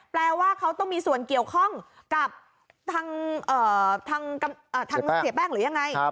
แปลว่าเขาต้องมีส่วนเกี่ยวข้องกับทางเสียแป้งหรือยังไง